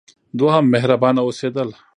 دوهم: مهربانه اوسیدل.